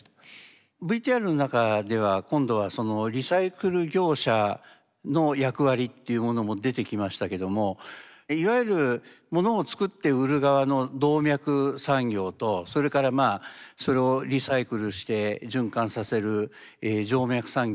ＶＴＲの中では今度はそのリサイクル業者の役割っていうものも出てきましたけどもいわゆるものを作って売る側の動脈産業とそれからまあそれをリサイクルして循環させる静脈産業